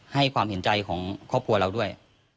ให้ความเห็นใจของครอบครัวเราด้วย